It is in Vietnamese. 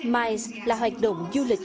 mice là hoạt động du lịch